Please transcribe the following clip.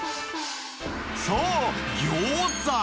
そう、ギョーザ。